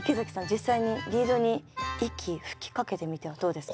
実際にリードに息吹きかけてみてはどうですか？